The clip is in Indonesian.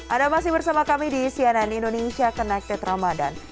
ada masih bersama kami di sianan indonesia connected ramadan